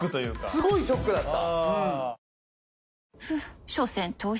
すごいショックだった。